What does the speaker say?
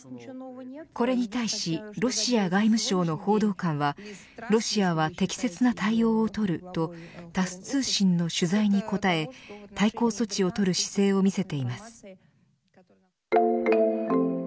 これに対しロシア外務省の報道官はロシアは適切な対応をとるとタス通信の取材に答え対抗措置をとる姿勢を見せています。